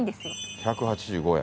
１８５円。